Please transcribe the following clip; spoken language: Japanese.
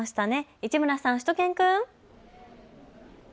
市村さん、しゅと犬くん。